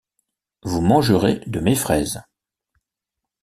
Vous mangerez de mes fraises.